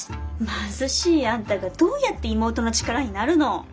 貧しいあんたがどうやって妹の力になるの？